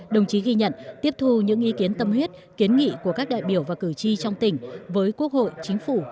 đồng chí ghi nhận tiếp thu những ý kiến tâm huyết kiến nghị của các đại biểu và cử tri trong tỉnh với quốc hội chính phủ